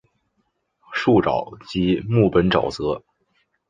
树沼即木本沼泽。